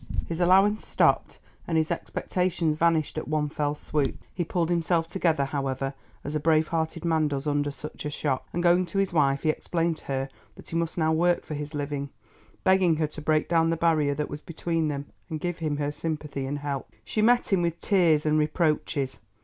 His allowance stopped and his expectations vanished at one fell swoop. He pulled himself together, however, as a brave hearted man does under such a shock, and going to his wife he explained to her that he must now work for his living, begging her to break down the barrier that was between them and give him her sympathy and help. She met him with tears and reproaches.